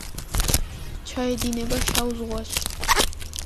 ჩაედინება შავ ზღვაში.